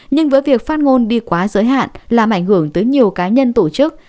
nhưng với việc phát ngôn đi quá giới hạn làm ảnh hưởng tới nhiều cá nhân tổ chức